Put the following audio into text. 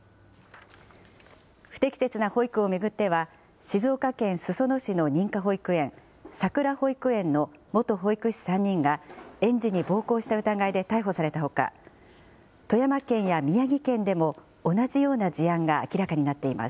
不適切な保育を巡っては、静岡県裾野市の認可保育園、さくら保育園の元保育士３人が、園児に暴行した疑いで逮捕されたほか、富山県や宮城県でも同じような事案が明らかになっています。